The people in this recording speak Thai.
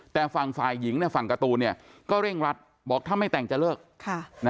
แต่ฝั่งฝ่ายหญิงฝั่งการ์ตูนก็เร่งรัดบอกถ้าไม่แต่งจะเลิก